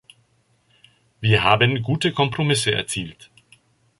Wir haben gute Kompromisse erzielt.